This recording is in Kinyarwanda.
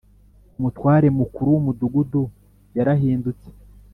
umutware mukuru w umudugudu yarahindutse